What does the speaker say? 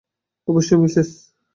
অবশ্যই, মিসেস।